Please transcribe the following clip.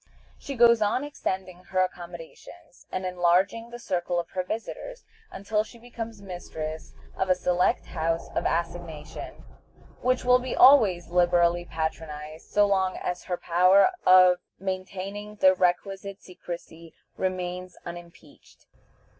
She goes on extending her accommodations, and enlarging the circle of her visitors, until she becomes mistress of a select house of assignation, which will be always liberally patronized so long as her power of maintaining the requisite secrecy remains unimpeached.